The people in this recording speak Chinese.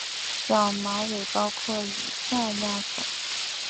小毛猬包括以下亚种